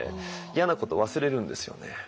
嫌なこと忘れるんですよね。